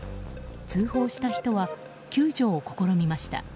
通報した人は救助を試みました。